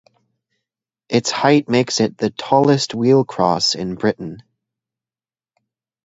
Its height makes it the "tallest wheel cross in Britain".